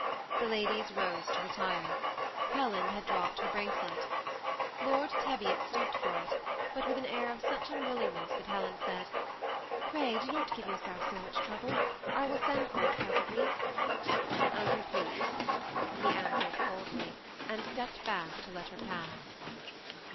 The ladies rose to retire. Helen had dropped her bracelet. Lord Teviot stooped for it, but with an air of such unwillingness that Helen said, " Pray do not give yourself so much trouble ; I will send for it presently." 82 THE SEMI ATTACHED COUPLE. As you please," he answered, coldly, and stepped back to let her pass.